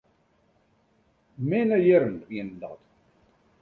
Minne jierren wienen dat.